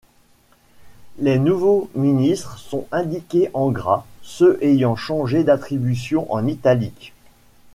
Les nouveaux ministres sont indiqués en gras, ceux ayant changé d'attributions en italique.